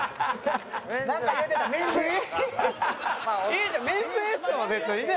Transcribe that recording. いいじゃんメンズエステは別にね。